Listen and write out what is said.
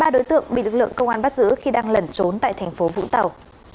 ba đối tượng bị lực lượng công an bắt giữ khi đang lẩn trốn tại thành phố vũng tàu